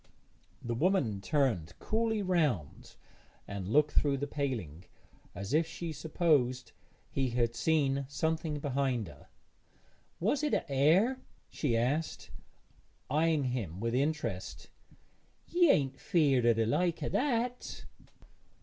The woman turned coolly round and looked through the paling, as if she supposed he had seen something behind her. 'Was't a haër?' she asked, eyeing him with interest; 'ye ain't feared o' the like o' that?'